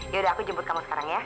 yaudah aku jemput kamu sekarang ya